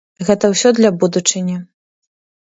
Гэта ўсё для будучыні.